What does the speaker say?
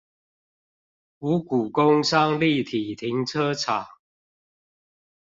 五股工商立體停車場